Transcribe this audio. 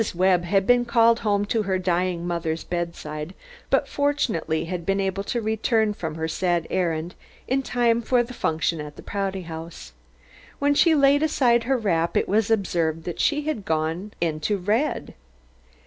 Webb had been called home to her dying mother's bedside, but fortunately had been able to return from her sad errand in time for the function at the Prouty House. When she laid aside her wrap it was observed that she had gone into red.